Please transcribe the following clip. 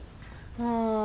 ああ。